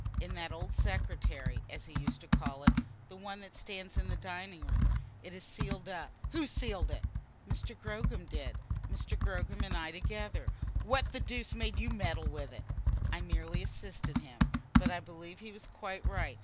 "In that old secretary, as he used to call it; the one that stands in the dining room. It is sealed up." "Who sealed it?" "Mr. Gogram did, Mr. Gogram and I together." "What the deuce made you meddle with it?" "I merely assisted him. But I believe he was quite right.